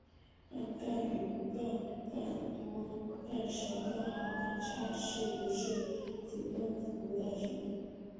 让干与不干、干多干少、干好干差、是不是主动服务大局、